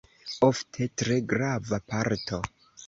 Ofte tre grava parto.